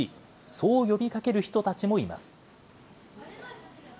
そう呼びかける人たちもいます。